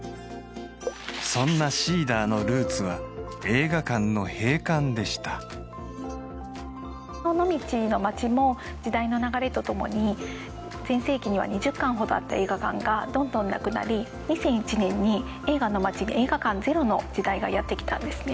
そんなＳｅｅｄｅｒのルーツは映画館の閉館でした尾道の街も時代の流れとともに全盛期には２０館ほどあった映画館がどんどんなくなり２００１年に映画の街で映画館ゼロの時代がやってきたんですね